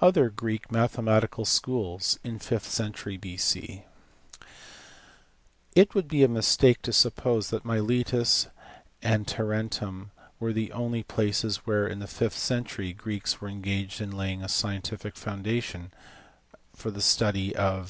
Other Greek Mathematical Schools in the fifth century B.C. Id be a mistake to suppose that Miletus and Tarentum were the only places where, in the fifth century, Greeks were i laying a scientific foundation for the study of * It is printed by Allman, pp.